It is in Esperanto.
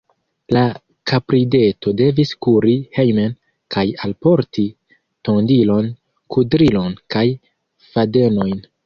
La kaprideto devis kuri hejmen kaj alporti tondilon, kudrilon kaj fadenojn.